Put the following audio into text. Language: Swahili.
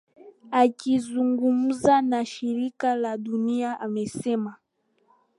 akizungumza na shirika la dunia amesema